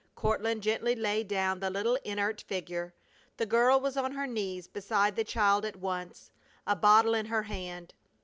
Courtland gently laid down the little inert figure. The girl was on her knees beside the child at once, a bottle in her hand.